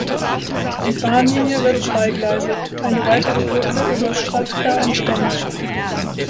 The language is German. Die Bahnlinie wird zweigleisig, eine weitere Brücke über Svratka entstand.